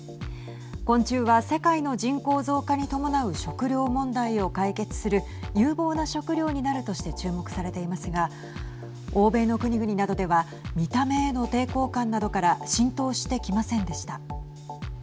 昆虫は、世界の人口増加に伴う食糧問題を解決する有望な食料になるとして注目されていますが欧米の国々などでは見た目への抵抗感などから浸透してきませんでした。